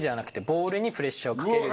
ボールにプレッシャーをかける。